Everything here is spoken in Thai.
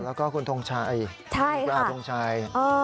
แล้วก็คุณทงชัยคุณอาทงชัย